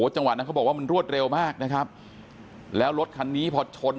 จังหวะนั้นเขาบอกว่ามันรวดเร็วมากนะครับแล้วรถคันนี้พอชน